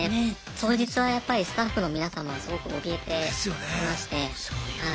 当日はやっぱりスタッフの皆様はすごくおびえていまして。ですよね。